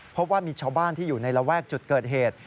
เพราะว่ามีชาวบ้านที่อยู่ในระแวกจุดเกิดเหตุ